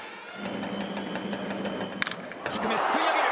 低めすくい上げる。